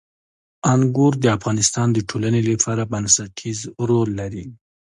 انګور د افغانستان د ټولنې لپاره بنسټيز رول لري.